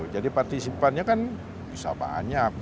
jadi partisipannya kan bisa banyak